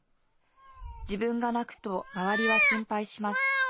自分が泣くと周りは心配します。